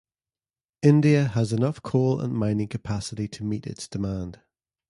India has enough coal and mining capacity to meet its demand.